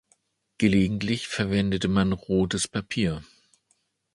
Gelegentlich verwendete man rotes Papier.